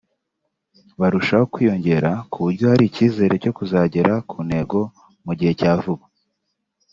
barushaho kwiyongera ku buryo hari icyizere cyo kuzagera ku ntego mu gihe cya vuba